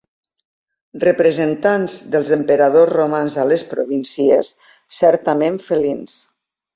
Representants dels emperadors romans a les províncies, certament felins.